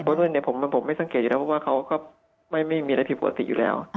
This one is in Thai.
เพราะด้วยเนี่ยผมไม่สังเกตอยู่แล้วเพราะว่าเขาก็ไม่มีอะไรผิดปกติอยู่แล้ว